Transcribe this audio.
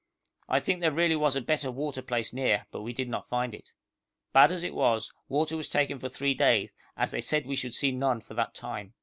I think there really was a better water place near, but we did not find it. Bad as it was, water was taken for three days, as they said we should see none for that time.